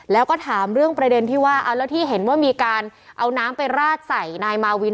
แล้วก็ถามเรื่องประเด็นที่ว่าเอาแล้วที่เห็นว่ามีการเอาน้ำไปราดใส่นายมาวิน